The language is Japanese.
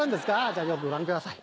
じゃよくご覧ください。